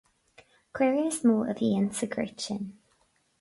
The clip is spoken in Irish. Caora is mó a bhíonn sa ghort sin.